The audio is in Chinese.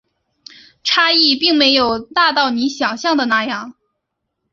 差异并没有大到你想像的那样